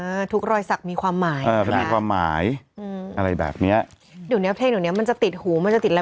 อ่าทุกรอยสักมีความหมายเออความหมายอะไรแบบเนี้ยอยู่เนี้ยเพลงอยู่เนี้ยมันจะติดหูมันจะติดอะไร